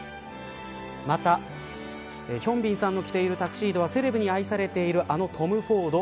また、ヒョンビンさんの着ているタキシードはセレブに愛されているあのトム・フォード